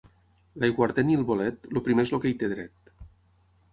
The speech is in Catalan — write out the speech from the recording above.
L'aiguardent i el bolet, el primer és el que hi té dret.